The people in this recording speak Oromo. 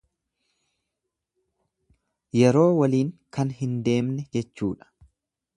Yeroo waliin kan hin deemne jechuudha.